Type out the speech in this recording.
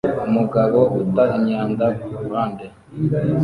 Umugabo uta imyanda kuruhande